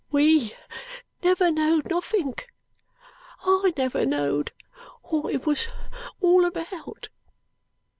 WE never knowd nothink. I never knowd what it wos all about."